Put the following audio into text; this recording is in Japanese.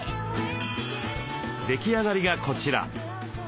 出来上がりがこちら。